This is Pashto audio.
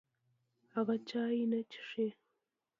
هغه چای نه څښي.